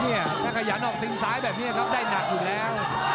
เนี่ยจะขยันของตรงซ้ายแบบนี้นะครับได้หนักอยู่แล้ว